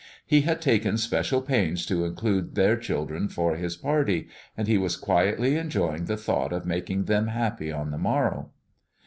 He had taken special pains to include their children for his party, and he was quietly enjoying the thought of making them happy on the morrow.